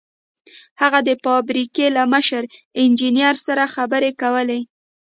هغه د فابريکې له مشر انجنير سره خبرې کولې.